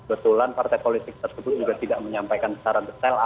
kebetulan partai politik tersebut juga tidak menyampaikan secara detailnya